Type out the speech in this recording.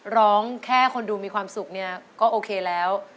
ร้องแค่คนดูมีความสุขเนี่ยก็โอเคแล้ว